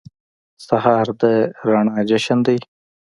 سهار د رڼا جشن دی.